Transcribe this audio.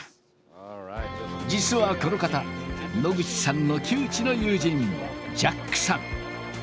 実はこの方野口さんの旧知の友人ジャックさん。